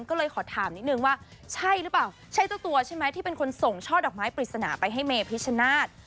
ก็เลยขอถามนิดนึงว่าใช่หรือเปล่าใช่เจ้าตัวใช่ไหมที่เป็นคนส่งช่อดอกไม้ปริศนาไปให้เมพิชชนาธิ์